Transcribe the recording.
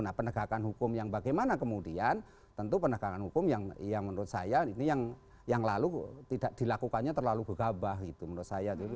nah penegakan hukum yang bagaimana kemudian tentu penegakan hukum yang menurut saya ini yang lalu tidak dilakukannya terlalu begabah gitu menurut saya